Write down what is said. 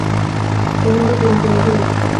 মহেন্দ্র চমকিয়া উঠিল।